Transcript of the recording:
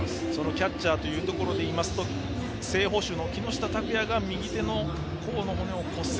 キャッチャーというところでいいますと正捕手の木下拓哉が右手の甲を骨折。